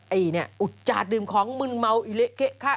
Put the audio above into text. ไอ้เนี่ยอุจจาดดื่มของมึนเมาอีเละเทะคะ